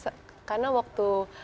saya bertugas di jakarta